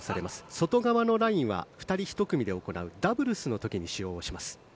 外側のラインは２人１組で行うダブルスの時に使用します。